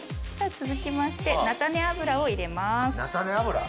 続きまして菜種油を入れます。